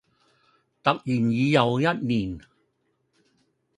突然又已一年